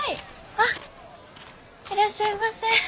あっいらっしゃいませ。